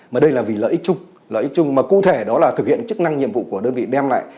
mà đây là vì lợi ích chung lợi ích chung mà cụ thể đó là thực hiện chức năng nhiệm vụ của đơn vị đem lại